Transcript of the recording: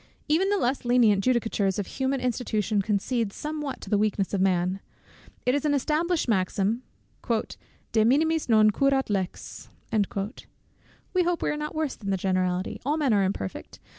Even the less lenient judicatures of human institution concede somewhat to the weakness of man. It is an established maxim 'De minimis non curat lex.' We hope we are not worse than the generality. All men are imperfect.